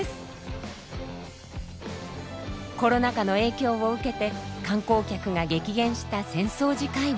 コロナ禍の影響を受けて観光客が激減した浅草寺界隈。